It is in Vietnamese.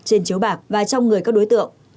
trên chiếu bạc và trong người các đối tượng